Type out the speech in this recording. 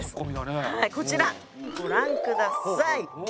こちらご覧下さい。